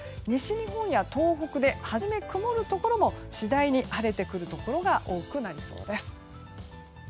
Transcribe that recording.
西日本や東北で初め、曇るところも次第に晴れてくるところが多くなりそうです。